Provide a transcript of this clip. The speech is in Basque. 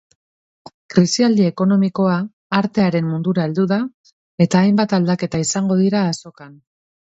Krisialdi ekonomikoa artearen mundura heldu da eta hainbat aldaketa izango dira azokan.